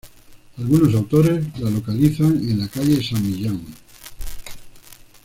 Algunos autores la localizan en la calle de San Millán.